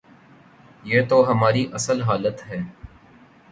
یہ تو ہماری اصل حالت ہے۔